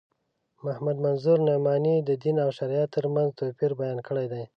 محمد منظور نعماني د دین او شریعت تر منځ توپیر بیان کړی دی.